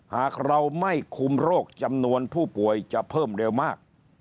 หากเราไม่คุมโรคจำนวนผู้ป่วยจะเพิ่มเร็วมาก